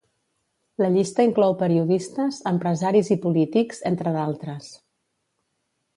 La llista inclou periodistes, empresaris i polítics, entre d'altres.